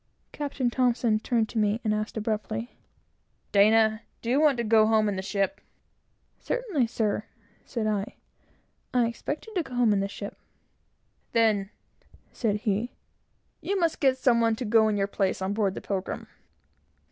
Captain T turned to me and asked abruptly "D , do you want to go home in the ship?" "Certainly, sir," said I; "I expect to go home in the ship." "Then," said he, "you must get some one to go in your place on board the Pilgrim."